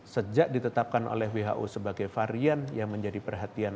sejak ditetapkan oleh who sebagai varian yang menjadi perhatian